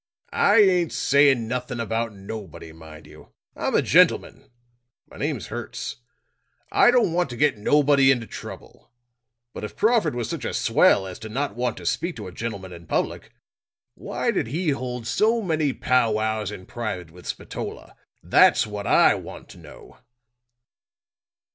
I ain't saying nothing about nobody, mind you. I'm a gentleman. My name's Hertz. I don't want to get nobody into trouble. But if Crawford was such a swell as not to want to speak to a gentleman in public, why did he hold so many pow wows in private with Spatola? That's what I want to know."